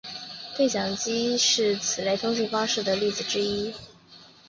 对讲机是此类通信方式的例子之一。